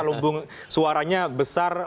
lumbung suaranya besar